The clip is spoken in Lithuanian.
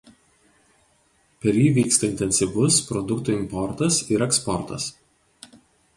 Per jį vyksta intensyvus produktų importas ir eksportas.